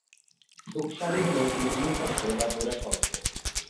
শুক-সারি হলো যুগ্ম শব্দ বা জোড়া শব্দ।